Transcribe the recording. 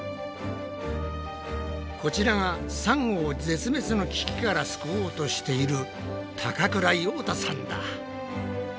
こちらがサンゴを絶滅の危機から救おうとしている高倉葉太さんだ。